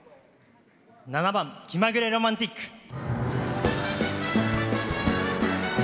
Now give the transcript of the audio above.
７番「気まぐれロマンティック」。